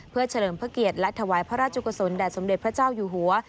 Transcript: เพื่อเฉลิมพระเกียรติและถวายพระราชกุศลแด่สมเด็จพระเจ้าอยู่หัว